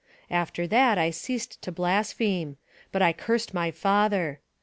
After that I ceased to blaspheme, but I cursed my father.